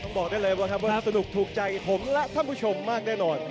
ต้องบอกเลยว่าสนุกถูกใจผมและท่านผู้ชมมากแน่นอน